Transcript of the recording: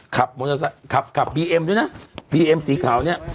ขับมอเตอร์ไซค์ขับขับบีเอ็มด้วยนะบีเอ็มสีขาวเนี่ย